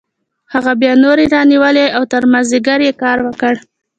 هغه بیا نورې رانیولې او تر مازدیګره یې کار وکړ